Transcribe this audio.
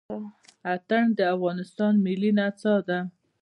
اتڼ د افغانستان ملي نڅا ده.